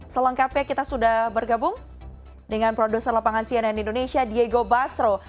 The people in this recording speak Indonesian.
selengkapnya kita sudah bergabung dengan produser lapangan cnn indonesia diego basro